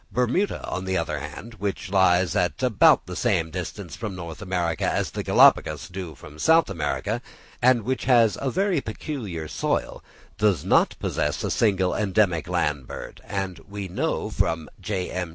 Bermuda, on the other hand, which lies at about the same distance from North America as the Galapagos Islands do from South America, and which has a very peculiar soil, does not possess a single endemic land bird; and we know from Mr. J.M.